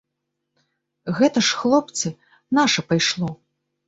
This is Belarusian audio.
Гэта ж, хлопцы, наша пайшло.